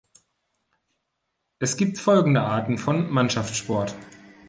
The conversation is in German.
Es gibt folgende Arten von Mannschaftssport.